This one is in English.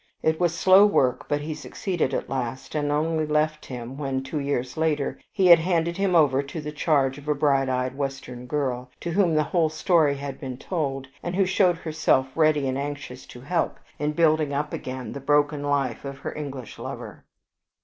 It was slow work, but he succeeded at last; and only left him when, two years later, he had handed him over to the charge of a bright eyed Western girl, to whom the whole story had been told, and who showed herself ready and anxious to help in building up again the broken life of her English lover.